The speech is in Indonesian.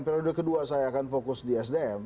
kalau dari kedua saya akan fokus di sdm